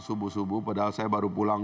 subuh subuh padahal saya baru pulang